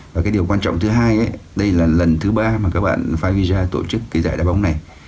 và cái điều quan trọng thứ hai đây là lần thứ ba mà các bạn favija tổ chức cái giải đá bóng này